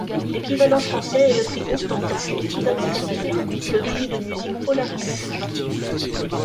L'équivalent français est le prix Constantin et l'équivalent canadien, le prix de musique Polaris.